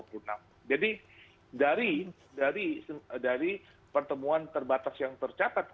jadi dari pertemuan terbatas yang tercatat